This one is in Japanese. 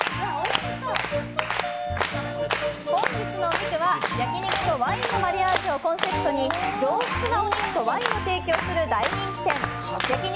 本日のお肉は、焼き肉とワインのマリアージュをコンセプトに上質なお肉とワインを提供する大人気店焼肉